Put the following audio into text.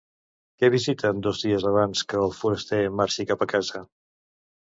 Què visiten dos dies abans que el foraster marxi cap a casa?